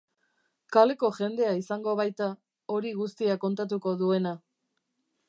Kaleko jendea izango baita, hori guztia kontatuko duena.